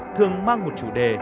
thường mang một chủ đề